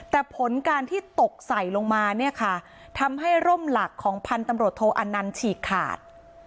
แต่ผลการที่ตกใส่ลงมาเนี่ยค่ะทำให้ร่มหลักของพันธุ์ตำรวจโทอันนันต์ฉีกขาด